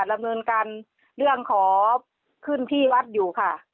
ดำเนินการเรื่องขอขึ้นที่วัดอยู่ค่ะ